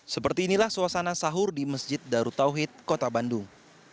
seperti inilah suasana sahur di masjid darutauhid kota bandung